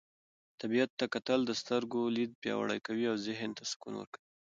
طبیعت ته کتل د سترګو لید پیاوړی کوي او ذهن ته سکون ورکوي.